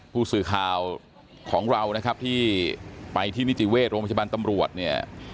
ผู้สื่อข่าวของเรานะครับที่ไปที่นิติเวชโรงพยาบาลตำรวจเนี่ย